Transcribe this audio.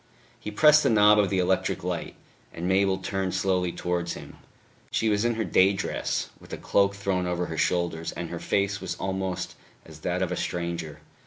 He pressed the knob of the electric light; and Mabel turned slowly towards him. She was in her day dress, with a cloak thrown over her shoulders, and her face was almost as that of a stranger.